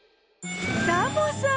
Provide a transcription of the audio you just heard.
サボさん！